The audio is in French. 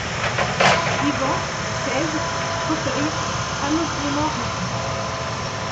Divan, chaises, fauteuils, ameublement riche.